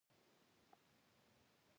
دوغ یا شړومبې د دوی خوښ دي.